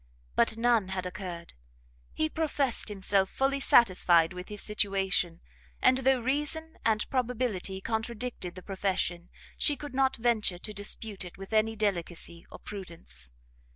But none had occurred; he professed himself fully satisfied with his situation; and though reason and probability contradicted the profession, she could not venture to dispute it with any delicacy or prudence.